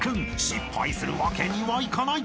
失敗するわけにはいかない］